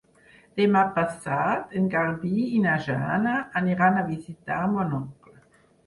Demà passat en Garbí i na Jana aniran a visitar mon oncle.